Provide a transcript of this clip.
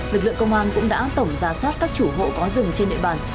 lực lượng công an cũng đã tổng ra soát các chủ hộ có rừng trên địa bàn